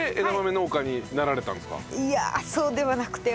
いやそうではなくて。